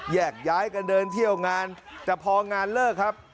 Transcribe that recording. แยกย้ายกันเดินเที่ยวงานแต่พองานเลิกครับ